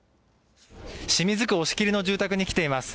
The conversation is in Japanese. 清水区押切の住宅に来ています。